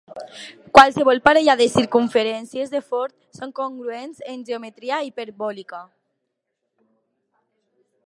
Qualsevol parella de circumferències de Ford són congruents en geometria hiperbòlica.